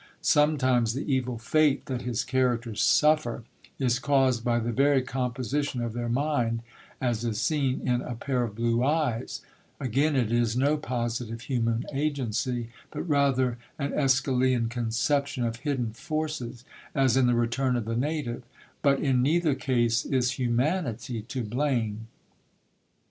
Sometimes the evil fate that his characters suffer is caused by the very composition of their mind, as is seen in A Pair of Blue Eyes; again it is no positive human agency, but rather an Æschylean conception of hidden forces, as in The Return of the Native; but in neither case is humanity to blame.